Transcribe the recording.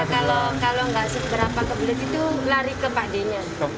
kalau nggak seberapa kebelet itu lari ke pak d nya